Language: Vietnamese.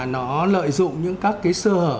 nó lợi dụng những các cái sơ hở